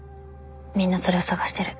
みんなそれを探してる。